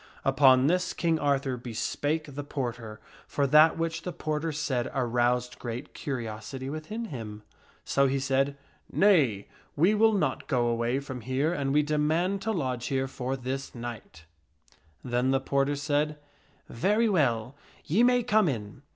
Upon this King Arthur bespake the porter, for that which the porter said aroused great curiosity within him. So he said, " Nay, we will not go away from here and we demand to lodge here for this night." KING ARTHUR ENTERS THE STRANGE CASTLE 297 Then the porter said, Very well; ye may come in."